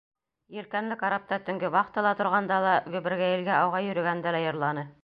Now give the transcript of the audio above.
Елкәнле карапта төнгө вахтала торғанда ла. гөбөргәйелгә ауға йөрөгәндә лә йырланы.